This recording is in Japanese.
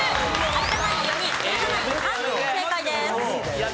有田ナイン４人古田ナイン３人正解です。